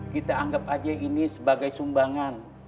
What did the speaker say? kita anggap aja ini sebagai sumbangan